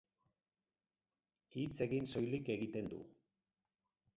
Hitz egin soilik egiten du.